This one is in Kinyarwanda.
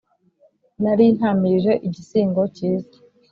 Nari ntamirije igisingo cyiza